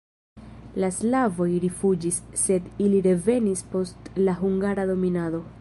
La slavoj rifuĝis, sed ili revenis post la hungara dominado.